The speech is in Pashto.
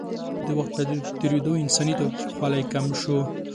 د وخت په تېرېدو انساني تاوتریخوالی کم شو.